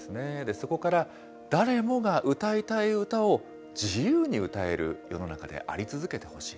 そこから、誰もが歌いたい歌を、自由に歌える世の中であり続けてほしい。